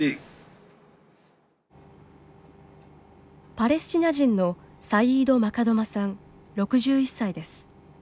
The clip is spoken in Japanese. パレスチナ人のサイード・マカドマさん６１歳です。